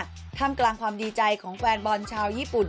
ท่ามกลางความดีใจของแฟนบอลชาวญี่ปุ่น